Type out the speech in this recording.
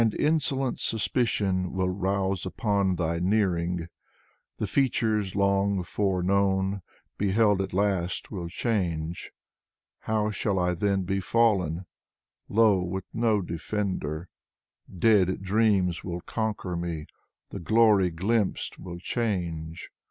And insolent suspicion will rouse upon Thy nearing. The features long foreknown, beheld at last, will change. How shall I then be fallen !— low, with no defender : Dead dreams will conquer me; the glory, glimpsed, will change.